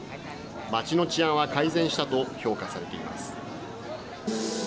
街の治安は改善したと評価されています。